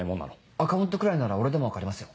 アカウントくらいなら俺でも分かりますよ。